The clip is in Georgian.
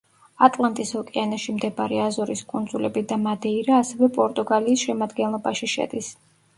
ატლანტის ოკეანეში მდებარე აზორის კუნძულები და მადეირა ასევე პორტუგალიის შემადგენლობაში შედის.